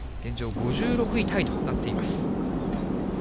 ５６位タイとなっています。